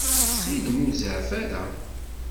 Ttxil-m, ur zeɛɛef ara.